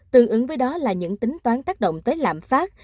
tương ứng với đó là những tính toán tác động tới lạm phát